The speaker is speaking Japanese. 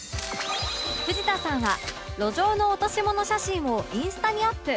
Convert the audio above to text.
藤田さんは路上の落とし物写真をインスタにアップ